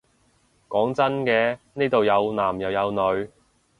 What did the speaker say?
講真嘅，呢度有男又有女